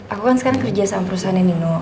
aku kan sekarang kerja sama perusahaan nino